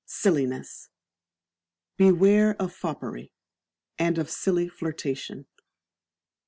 Silliness. Beware of Foppery, and of silly flirtation.